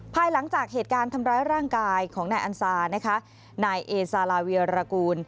ภายหลังจากเหตุการณ์ทำร้ายร่างกายของนายอันซานะคะนายเอซาลาเวียรกูล